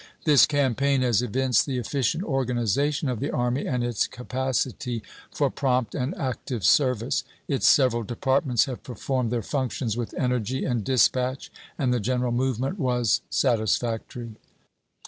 This campaign has evinced the efficient organization of the Army and its capacity for prompt and active service. Its several departments have performed their functions with energy and dispatch, and the general movement was satisfactory.